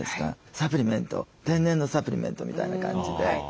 サプリメント天然のサプリメントみたいな感じで何かねいいですよね。